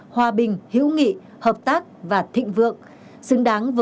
hòa bình hữu nghị hợp tác và thịnh vương